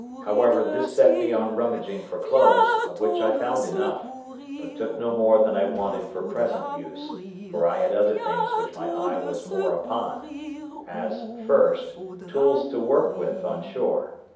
However, this set me on rummaging for clothes, of which I found enough, but took no more than I wanted for present use, for I had others things which my eye was more upon—as, first, tools to work with on shore.